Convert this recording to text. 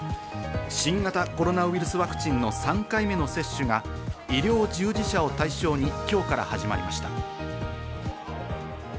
新型コロナウイルスワクチンの３回目の接種が医療従事者を対象に、今日から始まりました。